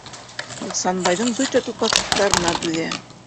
Ихсанбайҙың бөтә тупаҫлыҡтарына түҙә.